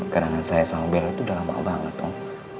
kenangan saya sama bella itu udah lama banget om